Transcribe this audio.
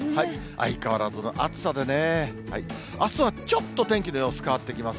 相変わらずの暑さでね、あすはちょっと天気の様子変わってきます。